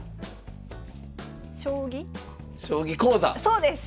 そうです！